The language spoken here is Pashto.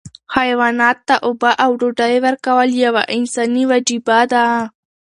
حیواناتو ته اوبه او ډوډۍ ورکول یوه انساني وجیبه ده.